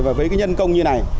và với cái nhân công như này